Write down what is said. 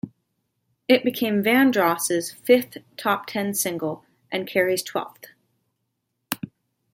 It became Vandross's fifth top-ten single and Carey's twelfth.